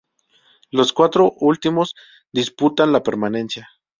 Los cuatro últimos disputan la permanencia.